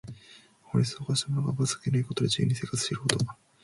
法律を犯した者が罰を受けないで自由に生活していること。